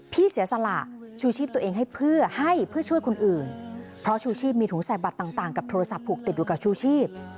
เสียสละชูชีพตัวเองให้เพื่อให้เพื่อช่วยคนอื่นเพราะชูชีพมีถุงใส่บัตรต่างกับโทรศัพท์ผูกติดอยู่กับชูชีพ